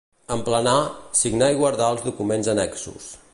Emplenar, signar i guardar els documents annexos.